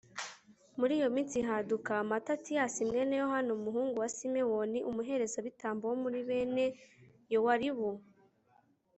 muri iyo minsi, haduka matatiyasi mwene yohani, umuhungu wa simewoni, umuherezabitambo wo muri bene yowaribu